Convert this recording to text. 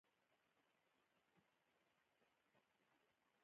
که غواړى، چي تاریخ جوړ کئ؛ نو له ځانه ښه راهبر جوړ کئ!